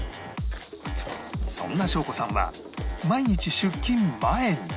そんな翔子さんは毎日出勤前に